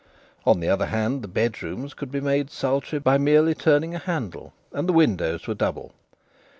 On the other hand, the bedrooms could be made sultry by merely turning a handle; and the windows were double.